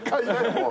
もう。